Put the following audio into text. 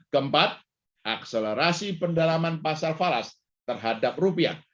keempat akselerasi pendalaman pasal falas terhadap rupiah